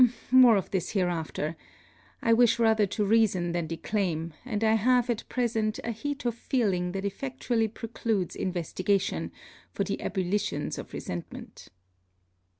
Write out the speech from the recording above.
More of this hereafter. I wish rather to reason than declaim; and I have, at present, a heat of feeling that effectually precludes investigation, for the ebulitions of resentment.